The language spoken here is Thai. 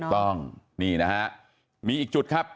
ต้องนี่นะฮะมีอีกจุดครับ